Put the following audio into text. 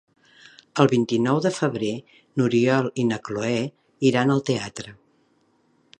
El vint-i-nou de febrer n'Oriol i na Cloè iran al teatre.